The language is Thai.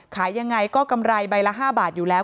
ขายยังไงก็กำไรใบละ๕บาทอยู่แล้ว